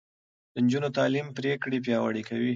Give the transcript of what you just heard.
د نجونو تعليم پرېکړې پياوړې کوي.